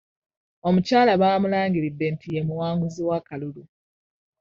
Omukyala baamulangiridde nti ye muwanguzi w'akalulu.